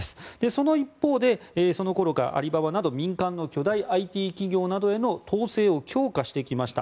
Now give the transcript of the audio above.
その一方でアリババなどの巨大ＩＴ企業への統制を強化してきました。